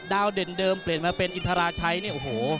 เด่นเดิมเปลี่ยนมาเป็นอินทราชัยเนี่ยโอ้โห